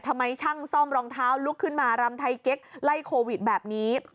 ทำไมช่างซ่อมรองเท้าลุกขึ้นมารำไทยเก๊กไล่โควิดแบบนี้